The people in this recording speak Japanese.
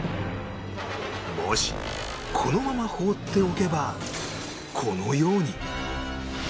もしこのまま放っておけばこのように